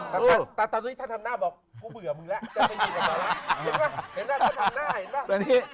แต่ตอนนี้ท่านทำหน้าบอกกูเหมือนมึงแล้วจะไปอยู่กับมึงแล้ว